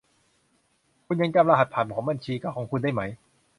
คุณยังจำรหัสผ่านของบัญชีเก่าของคุณได้ไหม